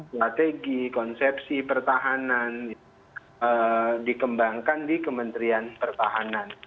strategi konsepsi pertahanan dikembangkan di kementerian pertahanan